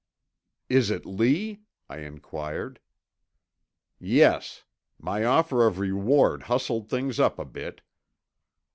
"Is it Lee?" I inquired. "Yes. My offer of reward hustled things up a bit."